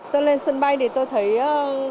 tôi lên sân bay thì tôi thấy tình hình rất là an toàn